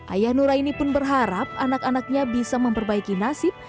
ayah nuraini pun berharap anak anaknya bisa memperbaiki nasib